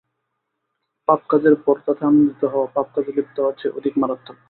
পাপকাজের পর তাতে আনন্দিত হওয়া, পাপকাজে লিপ্ত হওয়ার চেয়ে অধিক মারাত্মক।